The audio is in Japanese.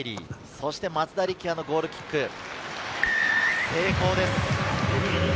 そして松田力也のゴールキック、成功です。